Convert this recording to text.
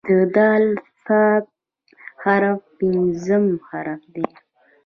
د "ث" حرف پنځم حرف دی.